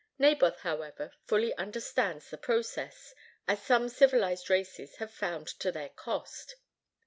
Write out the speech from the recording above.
Naboth, however, fully understands the process, as some civilized races have found to their cost.